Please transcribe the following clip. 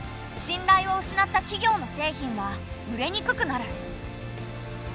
信頼を失った企業の製品は売れにくくなる。